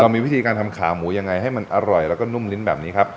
มีวิธีการทำขาหมูยังไงให้มันอร่อยแล้วก็นุ่มลิ้นแบบนี้ครับ